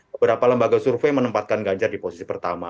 beberapa lembaga survei menempatkan ganjar di posisi pertama